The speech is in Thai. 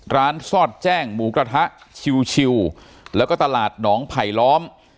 ซอดแจ้งหมูกระทะชิวแล้วก็ตลาดหนองไผลล้อม